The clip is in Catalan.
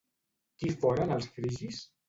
Qui foren els frigis?